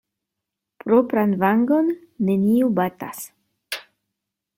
Propran vangon neniu batas.